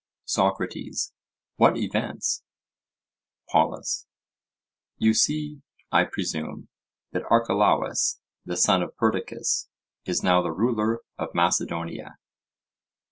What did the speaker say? SOCRATES: What events? POLUS: You see, I presume, that Archelaus the son of Perdiccas is now the ruler of Macedonia?